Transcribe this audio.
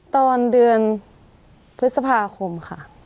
ตอนเดือนพฤษภาคมค่ะ